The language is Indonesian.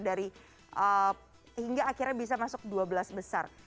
dari hingga akhirnya bisa masuk dua belas besar